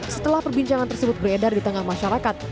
setelah perbincangan tersebut beredar di tengah masyarakat